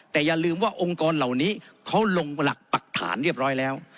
แต่อย่าลืมว่าองค์กรเหล่านี้เขาลงหลักปรักฐานเรียบร้อยแล้ว